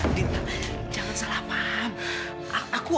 hanya kepaulangan aku soljalaan ikut